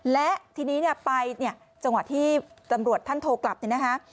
และทีนี้เนี่ยไปเนี่ยจังหวะที่ตำรวจท่านโทรกลับเนี่ยนะคะ